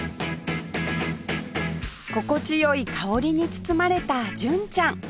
心地良い香りに包まれた純ちゃん